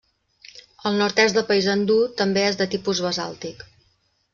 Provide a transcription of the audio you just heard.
El nord-est de Paysandú també és de tipus basàltic.